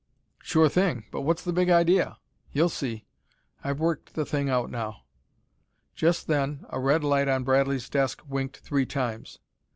"Sure thing, but what's the big idea?" "You'll see. I've worked the thing out now." Just then a red light on Bradley's desk winked three times.